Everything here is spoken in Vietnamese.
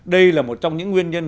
đây là một trong những nguyên nhân